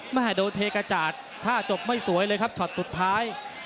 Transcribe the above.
โดนเทกระจาดท่าจบไม่สวยเลยครับช็อตสุดท้าย